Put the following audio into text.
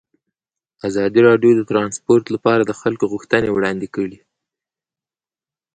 ازادي راډیو د ترانسپورټ لپاره د خلکو غوښتنې وړاندې کړي.